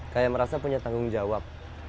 kayak merasa punya tanggung jawab